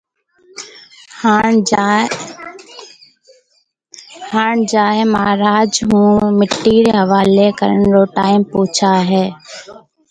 ھان جائيَ مھاراج ھون مٽِي حواليَ ڪرڻ رو ٽاڍيم پوڇائيَ ھيََََ